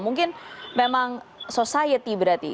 mungkin memang society berarti